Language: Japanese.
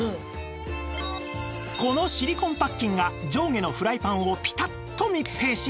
このシリコンパッキンが上下のフライパンをピタッと密閉し